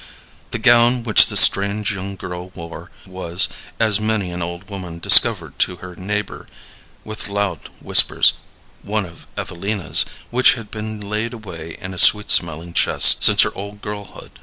The gown which the strange young girl wore was, as many an old woman discovered to her neighbor with loud whispers, one of Evelina's, which had been laid away in a sweet smelling chest since her old girlhood.